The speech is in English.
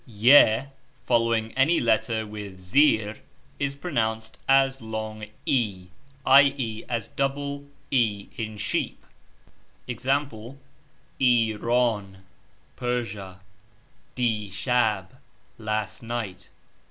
t^ (y) following any letter with (,) zeerr, is pronounced as long I, i. e. as double ee in sheep : ex. u\j>\ eeran (Persia), ^~>* deeshab (last night).